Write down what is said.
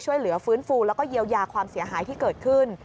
ช่วยเหลือฟื้นฟูแล้วก็เยียวยาความเสียหายที่เกิดขึ้น